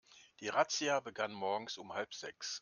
Die Razzia begann morgens um halb sechs.